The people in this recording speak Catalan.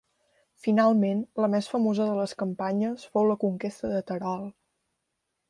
Finalment la més famosa de les campanyes fou la conquesta de Terol.